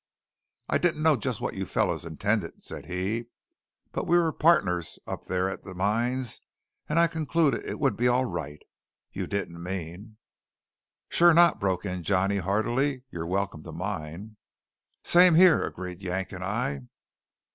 "I didn't know just what you fellows intended," said he, "but we were partners up there at the mines, and I concluded it would be all right. You didn't mean " "Sure not!" broke in Johnny heartily. "You're welcome to mine." "Same here," agreed Yank and I.